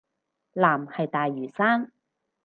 藍係大嶼山